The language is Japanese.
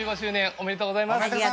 ありがとうございます。